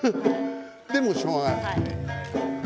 でもしょうがない。